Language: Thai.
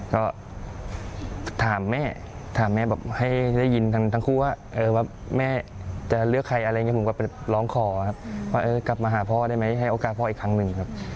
ก็ถามแม่ถามแม่แบบให้ได้ยินทั้งคู่ว่าแม่จะเลือกใครอะไรอย่างนี้ผมก็ไปร้องขอครับว่ากลับมาหาพ่อได้ไหมให้โอกาสพ่ออีกครั้งหนึ่งครับ